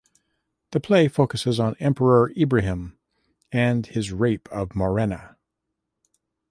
The play focuses on Emperor Ibrahim and his rape of Morena.